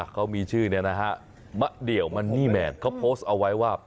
เขามีชื่อนี้นะฮะมะเดี่ยวมันนี่แมนเขาโพสต์เอาไว้ว่า